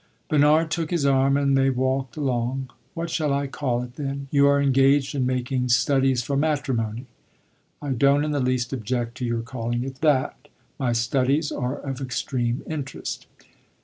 Bernard took his arm, and they walked along. "What shall I call it, then? You are engaged in making studies for matrimony." "I don't in the least object to your calling it that. My studies are of extreme interest."